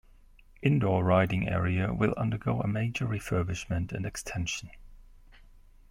Indoor riding arena will undergo a major refurbishment and extension.